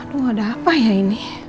aduh ada apa ya ini